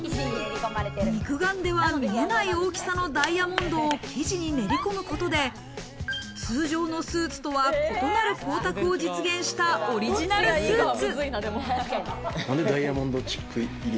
肉眼では見えない大きさのダイヤモンドを生地に練り込むことで通常のスーツとは異なる光沢を実現したオリジナルスーツ。